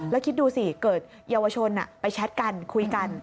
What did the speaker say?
แล้วคิดดูสิเกิดเยาวชนไปแชทกันคุยกัน